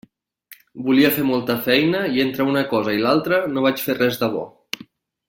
Volia fer molta feina i entre una cosa i l'altra no vaig fer res de bo.